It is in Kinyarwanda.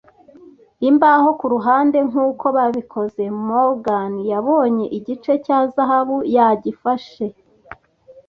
imbaho kuruhande nkuko babikoze. Morgan yabonye igice cya zahabu. Yagifashe a